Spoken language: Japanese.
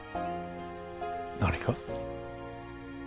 何か？